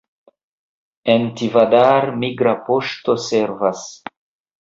En Tivadar migra poŝto servas.